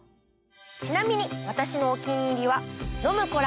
ちなみに私のお気に入りは。